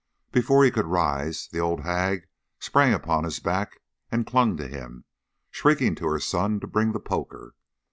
Before he could rise, the old hag sprang upon his back and clung to him, shrieking to her son to bring the poker.